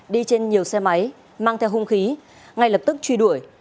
đi trên nhiều xe máy mang theo hung khí ngay lập tức truy đuổi